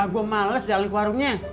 gua males jalan ke warungnya